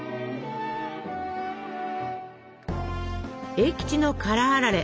栄吉の辛あられ